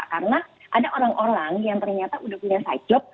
karena ada orang orang yang ternyata udah punya sadjob